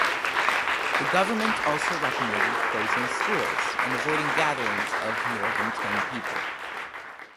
The government also recommended closing schools and avoiding gatherings of more than ten people.